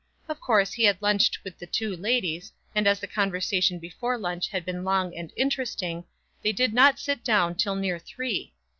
Of course he had lunched with the two ladies, and as the conversation before lunch had been long and interesting, they did not sit down till near three.